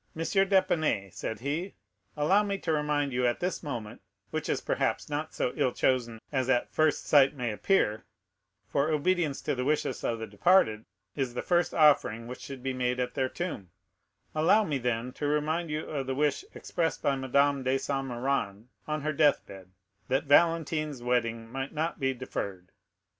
d'Épinay," said he, "allow me to remind you at this moment,—which is perhaps not so ill chosen as at first sight may appear, for obedience to the wishes of the departed is the first offering which should be made at their tomb,—allow me then to remind you of the wish expressed by Madame de Saint Méran on her death bed, that Valentine's wedding might not be deferred.